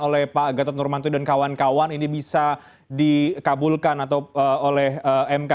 oleh pak gatot nurmanto dan kawan kawan ini bisa dikabulkan atau oleh mk